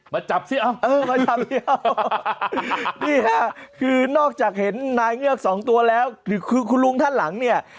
นี่ค่ะคือนอกจากเห็นนางเงือกสองตัวแล้วคือคุณลุงท่านหลังเนี่ย